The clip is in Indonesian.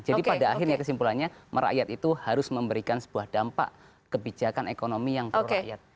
jadi pada akhirnya kesimpulannya merakyat itu harus memberikan sebuah dampak kebijakan ekonomi yang terrakyat